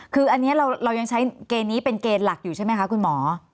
คืออันนี้เรายังใช้เกณฑ์นี้เป็นเกณฑ์หลักอยู่ใช่ไหมคะคุณหมอ